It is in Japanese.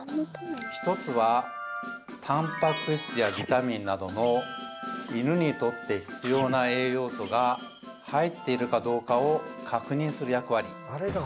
１つはタンパク質やビタミンなどの犬にとって必要な栄養素が入っているかどうかを確認する役割